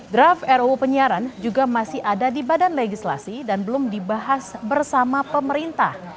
draft ruu penyiaran juga masih ada di badan legislasi dan belum dibahas bersama pemerintah